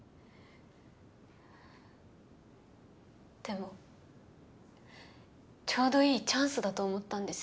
でもちょうどいいチャンスだと思ったんです。